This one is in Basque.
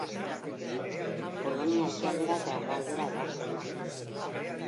Polonia ekialdera eta hegoaldera hedatzen da.